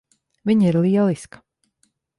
Viņa ir lieliska.